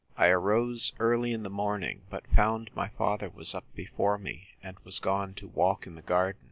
I arose early in the morning; but found my father was up before me, and was gone to walk in the garden.